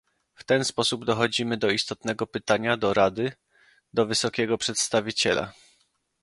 W ten sposób dochodzimy do istotnego pytania do Rady, do Wysokiego Przedstawiciela